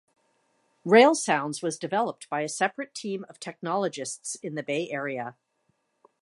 RailSounds was developed by a separate team of technologists in the Bay Area.